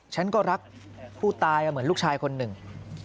ฉันก็รักผู้ตายเหมือนลูกชายคนหนึ่ง